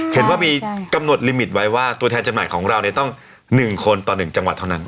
เห็นว่ามีกำหนดลิมิตไว้ว่าตัวแทนจำหน่ายของเราต้อง๑คนต่อ๑จังหวัดเท่านั้น